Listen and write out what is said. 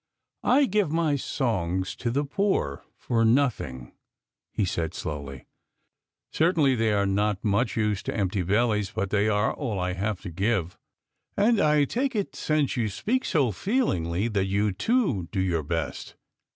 " I give my songs to the poor for nothing," he said slowly. " Certainly they are not much use to empty bellies, but they are all I have to give. And I take it, since you speak so feelingly, that you, too, do your best.